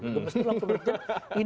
gemes dalam pekerjaan